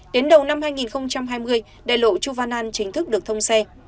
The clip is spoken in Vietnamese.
đến đầu năm hai nghìn hai mươi đại lộ chu văn an chính thức được thông xe